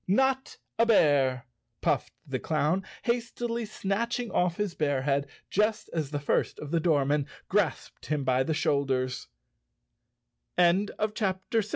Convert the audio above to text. "Not a bear!" puffed the clown, hastily snatching off his bear head, just as the first of the doormen grasped him by the